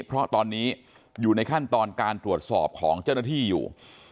เพราะตอนนี้อยู่ในขั้นตอนการตรวจสอบของเจ้าหน้าที่อยู่